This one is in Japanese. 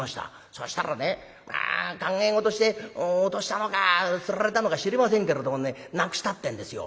そしたらねまあ考え事して落としたのかすられたのか知りませんけれどもねなくしたってんですよ。